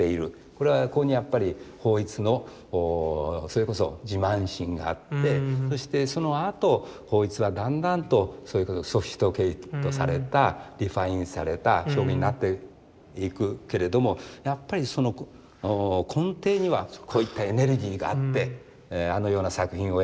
これはやっぱり抱一のそれこそ自慢心があってそしてそのあと抱一はだんだんとそれこそソフィスティケートされたリファインされた表現になっていくけれどもやっぱりその根底にはこういったエネルギーがあってあのような作品を。